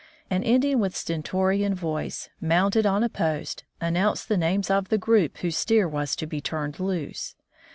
An Indian with stentorian voice, mounted on a post, announced the names of the group whose steer was to be turned loose.